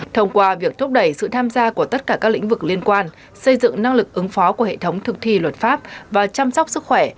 thông qua việc thúc đẩy sự tham gia của tất cả các lĩnh vực liên quan xây dựng năng lực ứng phó của hệ thống thực thi luật pháp và chăm sóc sức khỏe